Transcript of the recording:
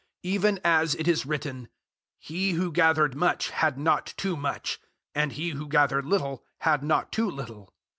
008:015 Even as it is written, "He who gathered much had not too much, and he who gathered little had not too little."